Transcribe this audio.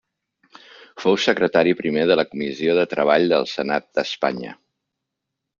Fou secretari primer de la comissió de treball del Senat d'Espanya.